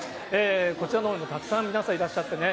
こちらのほうにもたくさん、皆さんいらっしゃってね。